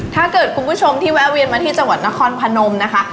ถ้าเกิดคุณผู้ชมที่แวะเวียนมาที่จังหวัดนครพนมนะคะ